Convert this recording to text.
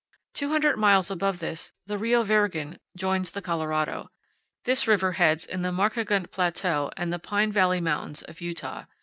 Two hundred miles above this the Rio Virgen joins the Colorado. This river heads in the Markagunt Plateau and the Pine Valley Mountains of Utah.